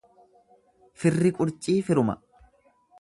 Firri qurcii firuma.